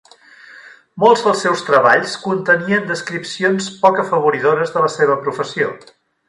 Molts dels seus treballs contenien descripcions poc afavoridores de la seva professió.